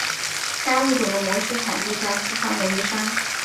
该物种的模式产地在四川峨眉山。